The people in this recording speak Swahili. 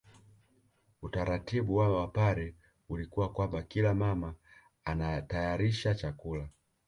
Utaratibu wa Wapare ulikuwa kwamba kila mama anatayarisha chakula